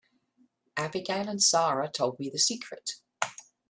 Abigail and Sara told me the secret.